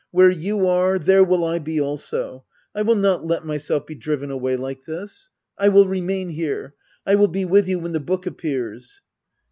Where you are, there will I be also ! I will not let myself be driven away like this! I will remain here I I will be with you when the book appears.